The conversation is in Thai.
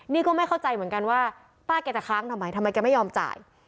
นี่ก็ไม่เข้าใจเหมือนกันว่าป้าแกจะค้างทำไมทำไมแกไม่ยอมจ่าย